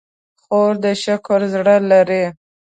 خور د شکر زړه لري.